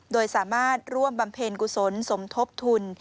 โดยสามารถร่วมบำเพ็ญกุศลสมทบทุน